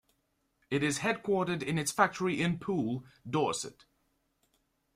It is headquartered in its factory in Poole, Dorset.